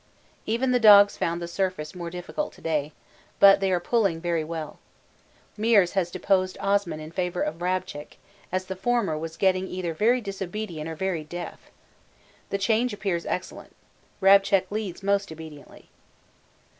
Even the dogs found the surface more difficult to day, but they are pulling very well. Meares has deposed Osman in favour of Rabchick, as the former was getting either very disobedient or very deaf. The change appears excellent. Rabchick leads most obediently.